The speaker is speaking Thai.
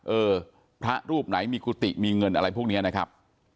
เออพระรูปไหนมีกุฏิมีเงินอะไรพวกนี้นะครับ